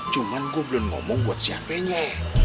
cuma gua belum ngomong buat siapainya